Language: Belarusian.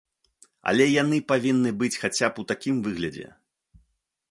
Але яны павінны быць хаця б у такім выглядзе.